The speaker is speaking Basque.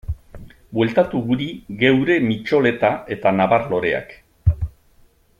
Bueltatu guri geure mitxoleta eta nabar-loreak?